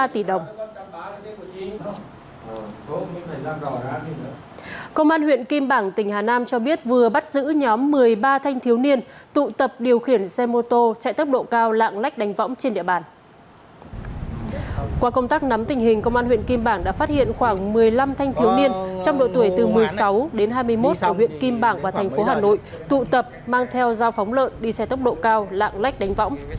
trong đội tuổi từ một mươi sáu đến hai mươi một ở huyện kim bảng và thành phố hà nội tụ tập mang theo giao phóng lợn đi xe tốc độ cao lạng lách đánh võng